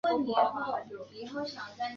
出生于中华民国北京市生。